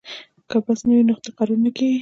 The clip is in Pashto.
که بست نه وي نو تقرر نه کیږي.